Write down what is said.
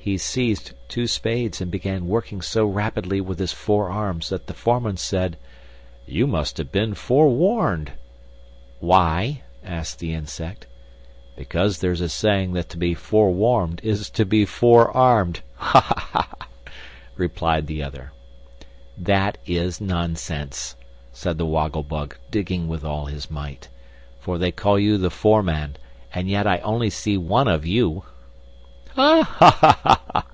He seized two spades and began working so rapidly with his four arms that the foreman said: "You must have been forewarned." "Why?" asked the Insect. "Because there's a saying that to be forewarned is to be four armed," replied the other. "That is nonsense," said the Woggle Bug, digging with all his might; "for they call you the foreman, and yet I only see one of you." "Ha, ha!"